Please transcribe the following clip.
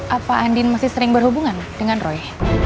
apa andin masih sering berhubungan dengan roy